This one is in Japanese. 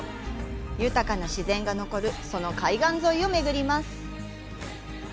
豊かな自然が残るその海岸沿いを巡ります。